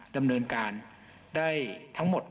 ดำเนินการได้ทั้งหมด